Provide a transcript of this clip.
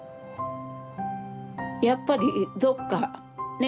やっぱりどっかね